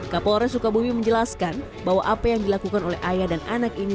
kapolres sukabumi menjelaskan bahwa apa yang dilakukan oleh ayah dan anak ini